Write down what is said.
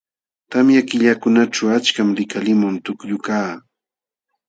Tamya killakunaćhu achkam likalimun tukllukaq..